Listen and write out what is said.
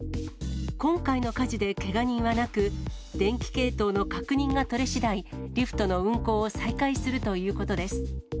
今回の火事でけが人はなく、電気系統の確認が取れしだい、リフトの運行を再開するということです。